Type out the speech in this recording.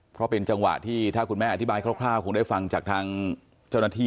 เพราะเป็นจังหวะที่ถ้าคุณแม่อธิบายคร่าวคงได้ฟังจากทางเจ้าหน้าที่